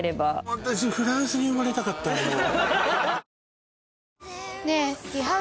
私フランスに生まれたかったわもう。